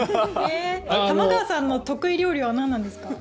玉川さんの得意料理は何なんですか？